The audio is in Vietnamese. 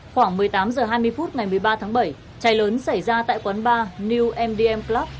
khoảng một mươi tám h hai mươi phút ngày một mươi ba tháng bảy cháy lớn xảy ra tại quán bar new mdm club